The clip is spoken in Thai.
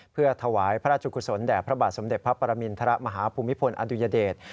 เพื่อถวายพระราชกุศลแด่พระบาทสมเด็จพระปรมินทรมาฮภูมิพลอดุญเดช